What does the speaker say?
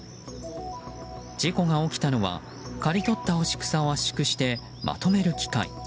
事故が起きたのは刈り取った干し草を圧縮してまとめる機械。